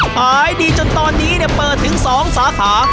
ขายดีจนตอนนี้เปิดถึง๒สาขา